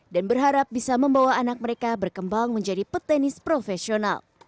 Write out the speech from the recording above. dan berharap bisa membawa anak mereka berkembang menjadi petenis profesional